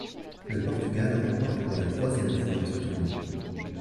Le Portugal remporte pour la troisième fois ce tournoi.